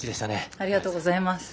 ありがとうございます。